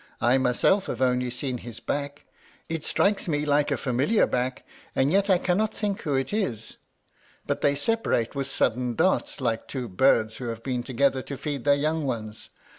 I myself have only seen his back. It strikes me like a familiar back, and yet I cannot think who it is. But they separate with sudden darts, like two birds who have been together to feed their young ones.